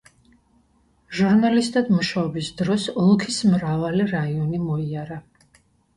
ჟურნალისტად მუშაობის დროს, ოლქის მრავალი რაიონი მოიარა.